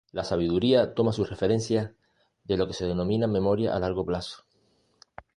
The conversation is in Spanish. La sabiduría toma sus referencias de lo que se denomina memoria a largo plazo.